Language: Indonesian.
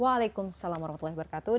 waalaikumsalam warahmatullahi wabarakatuh